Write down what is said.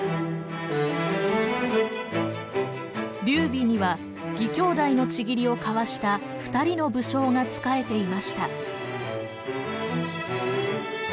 劉備には義兄弟の契りを交わした二人の武将が仕えていました。